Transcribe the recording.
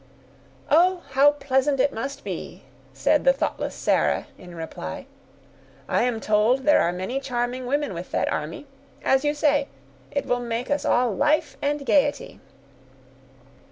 "Oh! how pleasant it must be," said the thoughtless Sarah, in reply; "I am told there are many charming women with that army; as you say, it will make us all life and gayety."